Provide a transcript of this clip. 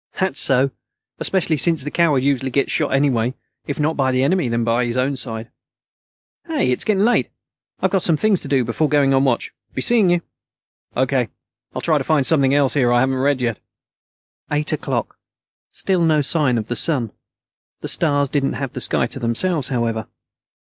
"That's so, especially since the coward usually gets shot anyway; if not by the enemy, then by his own side. Hey, it's getting late! I've got some things to do before going on watch. Be seeing you." "O.K. I'll try to find something else here I haven't read yet." Eight o'clock. Still no sign of the sun. The stars didn't have the sky to themselves, however.